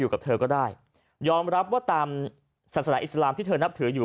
กับเธอก็ได้ยอมรับว่าตามศาสนาอิสลามที่เธอนับถืออยู่